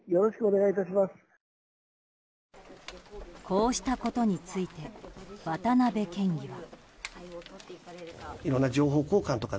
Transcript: こうしたことについて渡辺県議は。